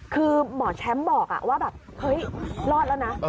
คือหมอแชมป์บอกว่าแบบเฮ้ยรอดแล้วนะ